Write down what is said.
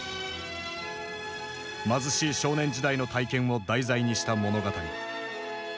貧しい少年時代の体験を題材にした物語。